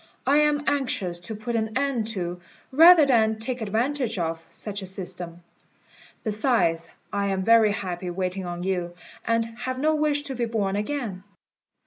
I am anxious to put an end to, rather than take advantage of, such a system. Besides, I am very happy waiting on you, and have no wish to be born again."